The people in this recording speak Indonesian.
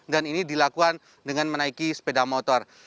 dan ini dilakukan dengan menaiki sepeda motor